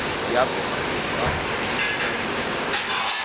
Иабахәа, уаҳа ҳәатә имаӡами?!